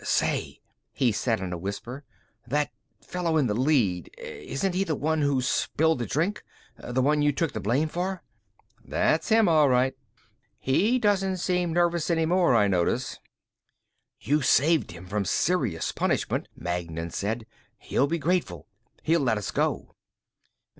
"Say," he said in a whisper. "That fellow in the lead; isn't he the one who spilled the drink? The one you took the blame for?" "That's him, all right. He doesn't seem nervous any more, I notice." "You saved him from serious punishment," Magnan said. "He'll be grateful; he'll let us go."